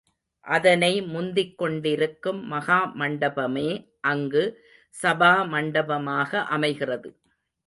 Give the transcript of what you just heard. அதனை முந்திக் கொண்டிருக்கும் மகா மண்டபமே அங்கு சபா மண்டபமாக அமைகிறது.